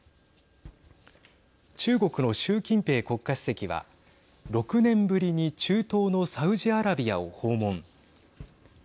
中国の習近平国家主席は６年ぶりに中東のサウジアラビアを訪問。